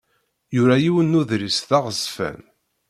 Yura yiwen n uḍris d aɣezzfan.